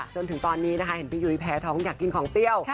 จนถึงตอนนี้นะคะเห็นพี่ยุ้ยแพ้ท้องอยากกินของเปรี้ยว